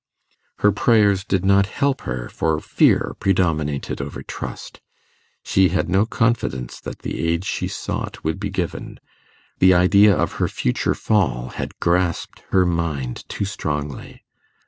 Her prayers did not help her, for fear predominated over trust; she had no confidence that the aid she sought would be given; the idea of her future fall had grasped her mind too strongly.